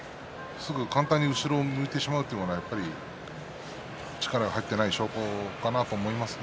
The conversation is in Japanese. すぐ簡単に後ろを向いてしまうというのは、やっぱり力が入っていない証拠かなと思いますね。